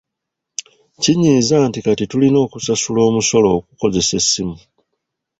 Kinyiiza nti kati tulina okusasula omusolo okukozesa essimu.